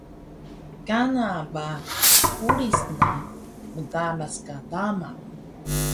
Kana ba hulis na mqaras ka tama mu